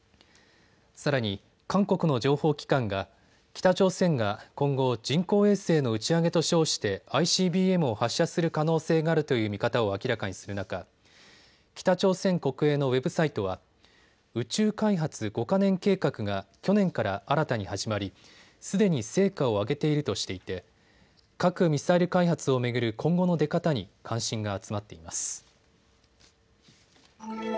さらに韓国の情報機関が北朝鮮が今後、人工衛星の打ち上げと称してＩＣＢＭを発射する可能性があるという見方を明らかにする中、北朝鮮国営のウェブサイトは宇宙開発５か年計画が去年から新たに始まりすでに成果を上げているとしていて核・ミサイル開発を巡る今後の出方に関心が集まっています。